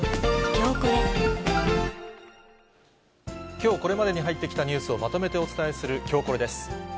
きょうこれまでに入ってきたニュースをまとめてお伝えするきょうコレです。